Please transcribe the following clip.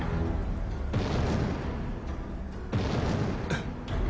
えっ！？